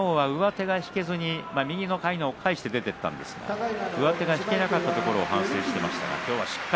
昨日は上手が引けずに右のかいなを返して出ていったんですけども上手が引けなかったところを反省していました。